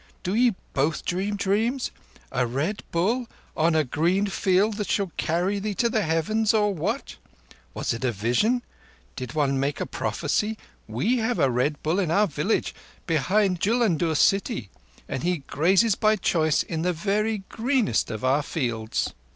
"Do ye both dream dreams? A Red Bull on a green field, that shall carry thee to the heavens or what? Was it a vision? Did one make a prophecy? We have a Red Bull in our village behind Jullundur city, and he grazes by choice in the very greenest of our fields!"